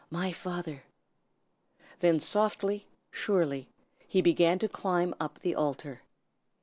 my father!" Then softly, surely, he began to climb up the golden altar.